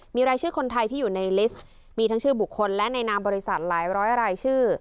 มีรายชื่อคนไทยที่อยู่ในลิสต์มีทั้งชื่อบุคคลและในนามบริษัทหลายร้อยรายชื่อ